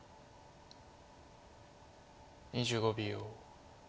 ２５秒。